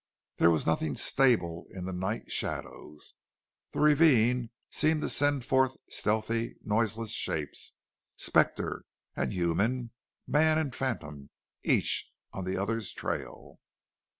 There was nothing stable in the night shadows. The ravine seemed to send forth stealthy, noiseless shapes, specter and human, man and phantom, each on the other's trail.